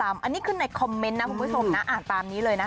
อันนี้คือในคอมเมนต์นะคุณผู้ชมนะอ่านตามนี้เลยนะคะ